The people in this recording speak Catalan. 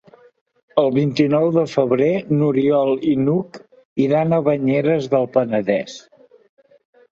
El vint-i-nou de febrer n'Oriol i n'Hug iran a Banyeres del Penedès.